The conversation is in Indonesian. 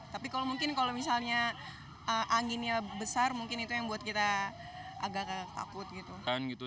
tapi kalau mungkin kalau misalnya anginnya besar mungkin itu yang buat kita agak agak takut gitu